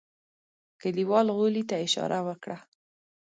کليوال غولي ته اشاره وکړه.